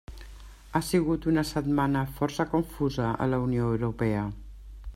Ha sigut una setmana força confusa a la Unió Europea.